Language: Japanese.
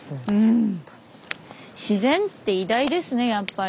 自然って偉大ですねやっぱり。